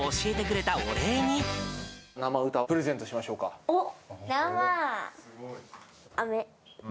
生歌をプレゼントしましょうおっ！